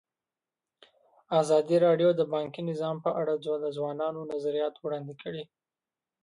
ازادي راډیو د بانکي نظام په اړه د ځوانانو نظریات وړاندې کړي.